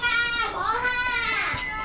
ごはん！